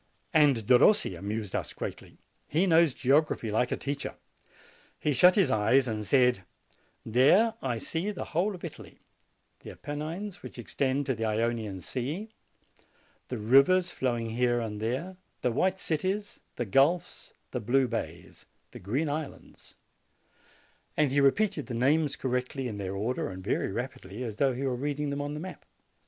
And Derossi amused us greatly. He knows geog raphy like a teacher. He shut his eyes and said: 'There, I see the whole of Italy; the Apennines, which extend to the Ionian Sea, the rivers flowing here and there, the white cities, the gulfs, the blue bays, the green islands"; and he repeated the names correctly in their order and very rapidly, as though he were read ing them on the map.